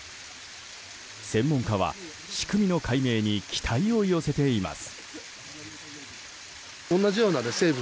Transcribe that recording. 専門家は仕組みの解明に期待を寄せています。